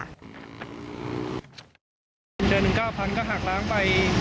เดือนหนึ่ง๙๐๐ก็หักล้างไป